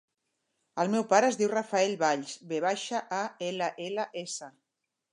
El meu pare es diu Rafael Valls: ve baixa, a, ela, ela, essa.